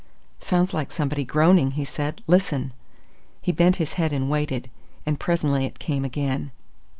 "Sounds like somebody groaning," he said. "Listen!" He bent his head and waited, and presently it came again.